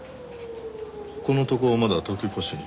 この男はまだ東京拘置所に？